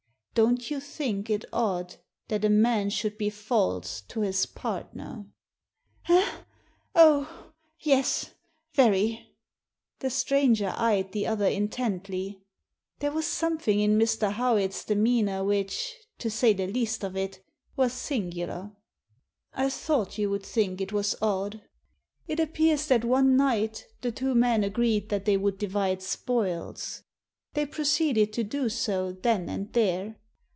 Don't you think it odd that a man should be false to his partner ?*' "Eh?— Oh!— Yes; very." The stranger eyed the other intently. There was something in Mr. Howitt's demeanour which, to say the least of it, was singular. "I thought you would think it was odd. It appears that one night the two men agreed that they would divide spoils. They proceeded to do so then and there.